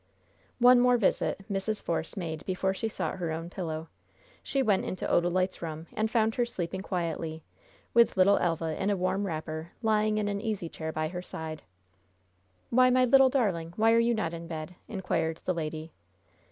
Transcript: One more visit Mrs. Force made before she sought her own pillow. She went into Odalite's room, and found her sleeping quietly, with little Elva, in a warm wrapper, lying in an easy chair by her side. "Why, my little darling, why are you not in bed?" inquired the lady.